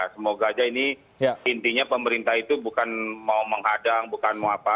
semoga aja ini intinya pemerintah itu bukan mau menghadang bukan mau apa